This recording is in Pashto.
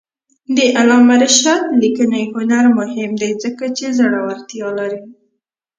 د علامه رشاد لیکنی هنر مهم دی ځکه چې زړورتیا لري.